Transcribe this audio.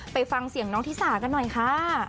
ไปฟังเสียงน้องธิสากันหน่อยค่ะ